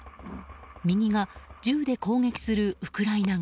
右が銃で攻撃するウクライナ側。